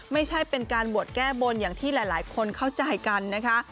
ไม่ใช่เป็นการบวชแก้บนอย่างที่หลายคนเข้าใจกันนะคะ